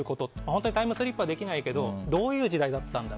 本当にタイムスリップできないけどどういう時代だったのか。